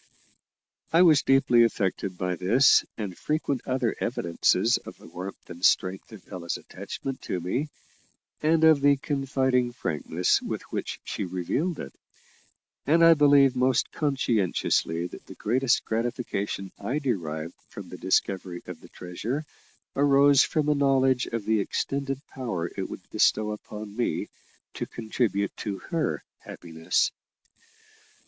I was deeply affected by this and frequent other evidences of the warmth and strength of Ella's attachment to me, and of the confiding frankness with which she revealed it; and I believe most conscientiously that the greatest gratification I derived from the discovery of the treasure arose from a knowledge of the extended power it would bestow upon me to contribute to her happiness.